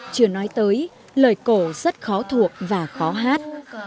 chưa nói tới lời cổ rất khó thuộc và khó hát